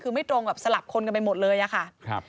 คือไม่ตรงกับสลับคนกันไปหมดเลยอะค่ะ